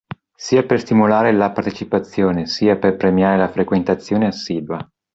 Sia per stimolare la partecipazione, sia per premiare la frequentazione assidua.